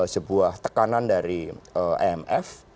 sebuah tekanan dari emf